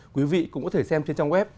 quý vị cũng có thể xem trên trang web